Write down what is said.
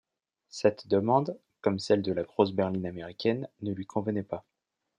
Cette demande, comme celle de la grosse berline américaine, ne lui convenait pas.